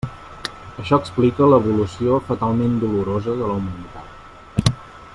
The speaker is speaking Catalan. Això explica l'evolució fatalment dolorosa de la humanitat.